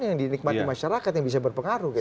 yang dinikmati masyarakat yang bisa berpengaruh gitu kan